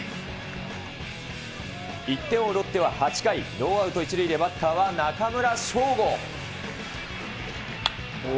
１点を追うロッテは８回、ノーアウト１塁で、バッターは中村奨吾。